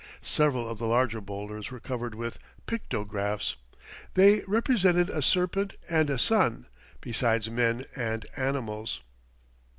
Several of the larger boulders were covered with pictographs. They represented a serpent and a sun, besides men and animals.